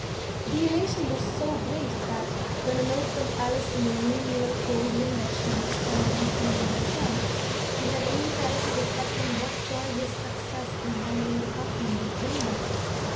The elation was so great that, when a note from Alice in the noon mail told him that she would spend the week end near the camp, he had only time to reflect on what joy his success in handling the company would bring her.